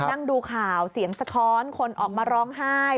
นั่งดูข่าวเสียงสะท้อนคนออกมาร้องไห้